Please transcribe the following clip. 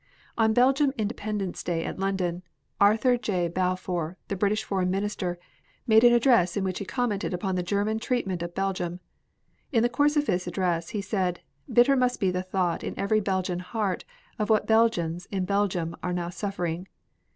On Belgian Independence Day at London, Arthur J. Balfour, the British Foreign Minister, made an address in which he commented upon the German treatment of Belgium. In the course of his address he said: "Bitter must be the thought in every Belgian heart of what Belgians in Belgium are now suffering.